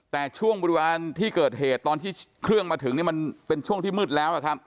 แต่ช่วงบริเวณที่เกิดเหตุตอนที่เครื่องมาถึงมันเป็นช่วงที่มืดแล้ว